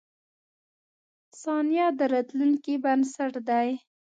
• ثانیه د راتلونکې بنسټ دی.